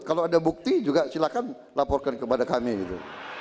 kalau ada bukti juga silakan laporkan kepada kami gitu